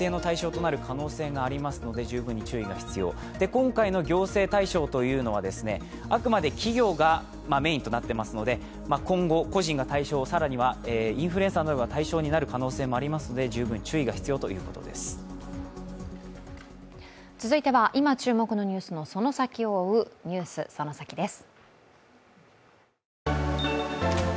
今回の規制対象というのは、あくまで企業がメーンとなっていますので、今後、個人が対象、更にはインフルエンサーなどが対象になる可能性がありますので、続いては今注目のニュースのその先を追う、「ＮＥＷＳそのサキ！」です。